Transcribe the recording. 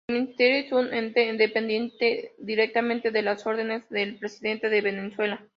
El ministerio es un ente dependiente directamente de las órdenes del presidente de Venezuela.